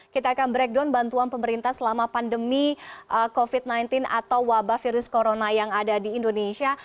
kita akan breakdown bantuan pemerintah selama pandemi covid sembilan belas atau wabah virus corona yang ada di indonesia